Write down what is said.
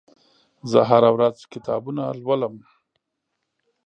زه هره ورځ کتابونه لولم.